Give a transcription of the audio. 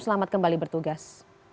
selamat kembali bertugas